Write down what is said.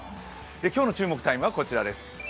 今日の注目タイムはこちらです。